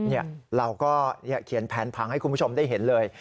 นี่เราก็เขียนแผนพังให้คุณผู้ชมได้เห็นเลย